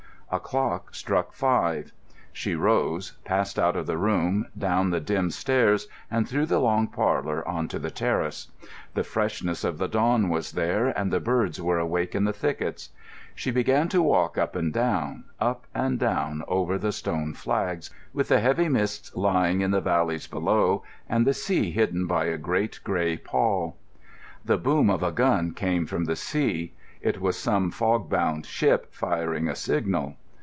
A clock struck five. She rose, passed out of the room, down the dim stairs, and through the long parlour on to the terrace. The freshness of the dawn was there, and the birds were awake in the thickets. She began to walk up and down, up and down over the stone flags, with the heavy mists lying in the valleys below, and the sea hidden by a great grey pall. The boom of a gun came from the sea. It was some fog bound ship firing a signal.